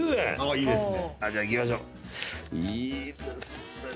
いいですね。